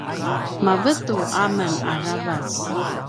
mavetu amen aravac